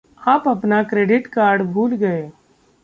आप अपना credit card भूल गये।